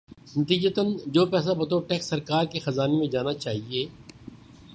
نتیجتا جو پیسہ بطور ٹیکس سرکار کے خزانے میں جانا چاہیے۔